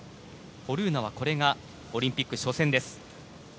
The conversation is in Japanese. ホルーナはこれがオリンピック初戦です。